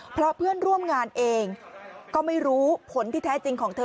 เพราะเพื่อนร่วมงานเองก็ไม่รู้ผลที่แท้จริงของเธอ